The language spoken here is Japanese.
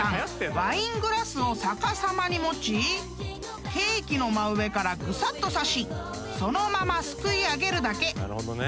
［ワイングラスを逆さまに持ちケーキの真上からグサッと挿しそのまますくい上げるだけ］